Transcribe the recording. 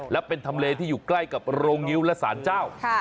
และเป็นทำเลที่อยู่ใกล้กับโรงงิ้วและสารเจ้า